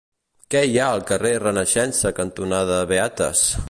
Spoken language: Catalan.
Què hi ha al carrer Renaixença cantonada Beates?